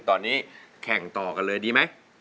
ตอนนี้แข่งต่อกันเลยดีไหม